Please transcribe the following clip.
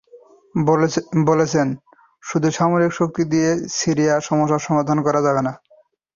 বলেছেন, শুধু সামরিক শক্তি দিয়ে সিরিয়া সমস্যার সমাধান করা যাবে না।